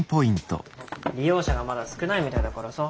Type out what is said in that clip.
利用者がまだ少ないみたいだからさ。